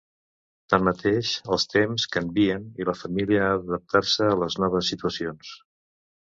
Tanmateix, els temps canvien i la família ha d'adaptar-se a les noves situacions.